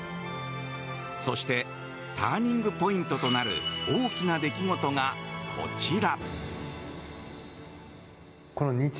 そしてターニングポイントとなる大きな出来事がこちら。